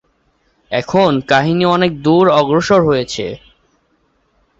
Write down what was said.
এখন কাহিনী অনেক দূর অগ্রসর হয়েছে।